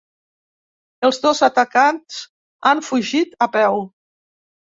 Els dos atacants han fugit a peu.